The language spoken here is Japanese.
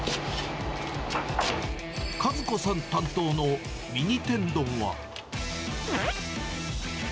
和子さん担当のミニ天丼は。